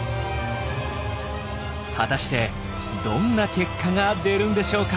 果たしてどんな結果が出るんでしょうか？